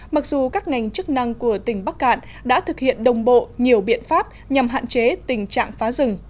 mặc dù các ngành chức năng của tỉnh bắc cạn đã thực hiện đồng bộ nhiều biện pháp nhằm hạn chế tình trạng phá rừng